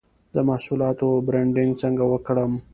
د محصولاتو برنډینګ څنګه وکړم؟